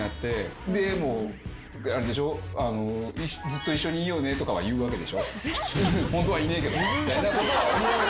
「ずっと一緒にいようね」とかは言うわけでしょ？